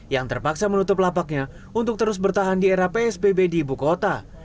yang terpaksa menutup lapaknya untuk terus bertahan di era psbb di ibu kota